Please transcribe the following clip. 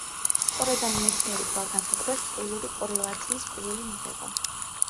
სწორედ ამ მეცნიერებმა განსაზღვრეს წყვილური კორელაციის პირველი მიღება.